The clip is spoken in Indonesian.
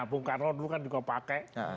bung karno dulu kan juga pakai